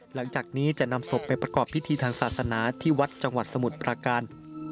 หลังจากนี้จะนำศพไปประกอบพิธีทางศาสนาที่วัดจังหวัดสมุทรประการ